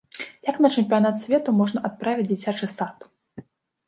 Як на чэмпіянат свету можна адправіць дзіцячы сад?!